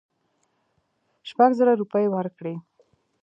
شپږزره روپۍ ورکړې.